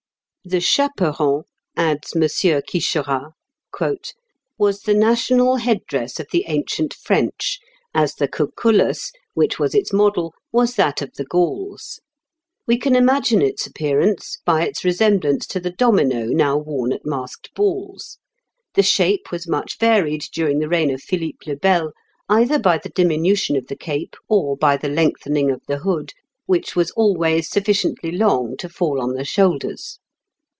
"The chaperon," adds M. Quicherat, "was the national head dress of the ancient French, as the cucullus, which was its model, was that of the Gauls. We can imagine its appearance by its resemblance to the domino now worn at masked balls. The shape was much varied during the reign of Philippe le Bel, either by the diminution of the cape or by the lengthening of the hood, which was always sufficiently long to fall on the shoulders.